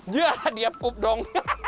ya dia pup dong